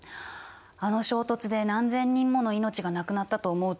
あの衝突で何千人もの命が亡くなったと思うと胸が痛いよね。